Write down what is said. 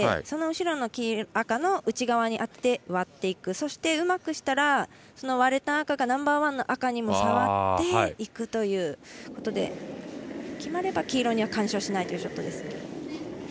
その後ろの赤の内側に当てて割っていく、そしてうまくしたら割れた赤がナンバーワンの赤にも触っていくということで決まれば、黄色には干渉しないというショットです。